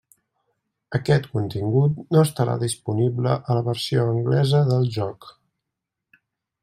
Aquest contingut no estarà disponible a la versió anglesa del joc.